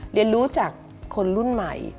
เรียนรู้จากคนรุ่นใหม่